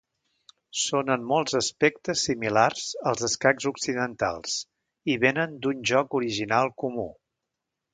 Són en molts aspectes similars als escacs occidentals, i vénen d'un joc original comú.